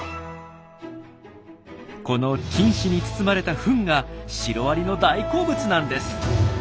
この菌糸に包まれたフンがシロアリの大好物なんです！